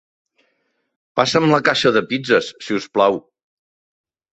Passa'm la caixa de pizzes, si us plau.